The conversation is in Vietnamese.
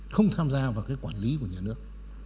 không tham gia vào cái quản lý của nhà nước